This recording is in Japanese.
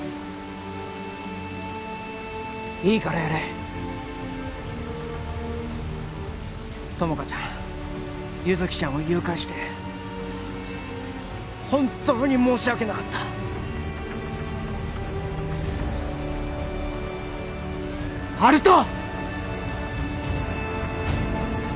いいからやれ友果ちゃん優月ちゃんを誘拐して本当に申し訳なかった温人！